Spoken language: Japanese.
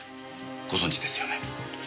ご存じですよね？